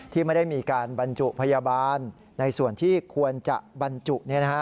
ที่ไม่ได้มีการบรรจุพยาบาลในส่วนที่ควรจะบรรจุ